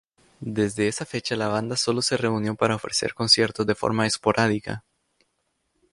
Desde esa fecha la banda solo se reunió para ofrecer conciertos de forma esporádica.